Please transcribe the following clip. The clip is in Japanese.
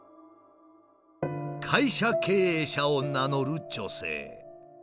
会社経営者を名乗る女性。